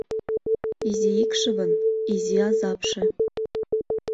Изи икшывын — изи азапше;